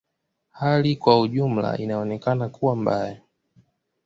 Hali kwa ujumla inaonekana kuwa mbaya.